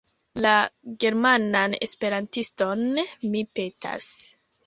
La »Germanan Esperantiston« mi petas.